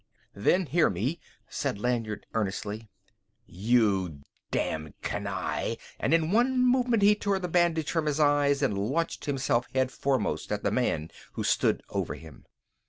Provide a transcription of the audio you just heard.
"Then hear me," said Lanyard earnestly: "You damned canaille!" And in one movement he tore the bandage from his eyes and launched himself head foremost at the man who stood over him.